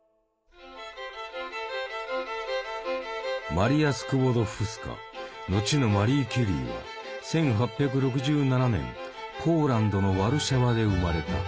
マリア・スクウォドフスカ後のマリー・キュリーは１８６７年ポーランドのワルシャワで生まれた。